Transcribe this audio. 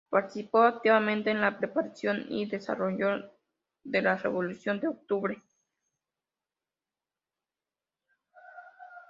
Participó activamente en la preparación y desarrollo de la Revolución de octubre.